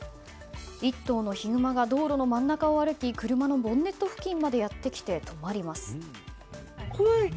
１頭のヒグマが道路の真ん中を歩き車のボンネット付近までやってきて止まります。